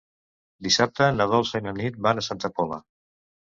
Dissabte na Dolça i na Nit van a Santa Pola.